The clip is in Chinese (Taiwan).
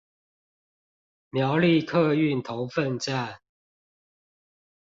苗栗客運頭份站